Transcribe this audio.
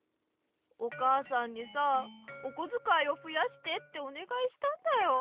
お母さんにさおこづかいをふやしてっておねがいしたんだよ。